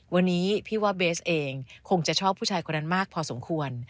วันนี้พี่ว่าเบสเองคงจะชอบผู้ชายคนนั้นมากพอสมควร